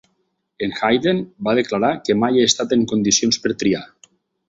En Hayden va declarar que mai he estat en condicions per triar.